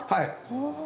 ほう。